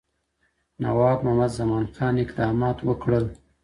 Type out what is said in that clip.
نواب محمد زمانخان اقدامات وکړل.